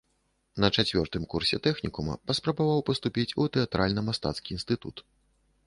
На чацвёртым курсе тэхнікума паспрабаваў паступіць у тэатральна-мастацкі інстытут.